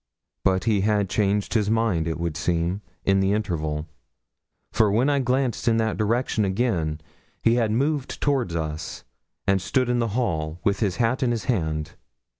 But he had changed his mind, it would seem, in the interval; for when I glanced in that direction again he had moved toward us, and stood in the hall with his hat in his hand.